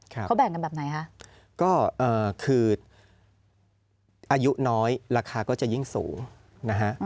เขาแบ่งกันแบบไหนคะก็คืออายุน้อยราคาก็จะยิ่งสูงนะฮะ